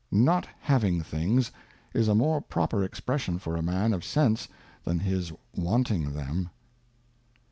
Not having things, is a more proper Expression for a Man of Sense than his wanting them.